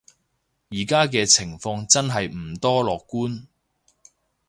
而家嘅情況真係唔多樂觀